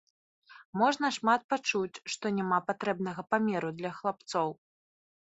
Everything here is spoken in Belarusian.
Можна шмат пачуць, што няма патрэбнага памеру для хлапцоў.